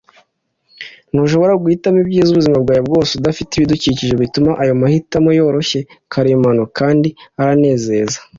ntushobora guhitamo ibyiza ubuzima bwawe bwose udafite ibidukikije bituma ayo mahitamo yoroshye, karemano, kandi aranezeza